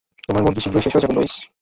তোমার মুরগি শীঘ্রই শেষ হয়ে যাবে, লুইস।